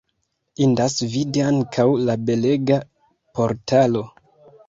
Indas vidi ankaŭ la belega portalo.